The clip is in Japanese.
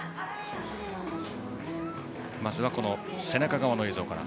まず背中側の映像から。